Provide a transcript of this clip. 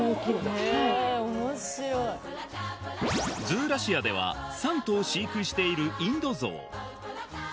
ズーラシアでは３頭飼育しているインドゾウ